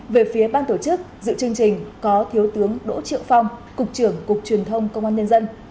về phía ban tổ chức dự chương trình có thiếu tướng đỗ triệu phong cục trưởng cục truyền thông công an nhân dân